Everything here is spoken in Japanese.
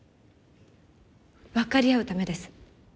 分かり合うためです。